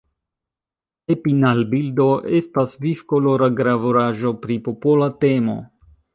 Epinal-bildo estas viv-kolora gravuraĵo pri popola temo.